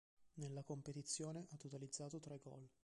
Nella competizione ha totalizzato tre gol.